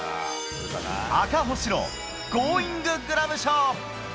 赤星のゴーインググラブ賞。